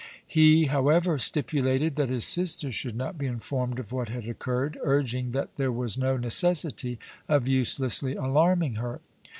He, however, stipulated that his sister should not be informed of what had occurred, urging that there was no necessity of uselessly alarming her.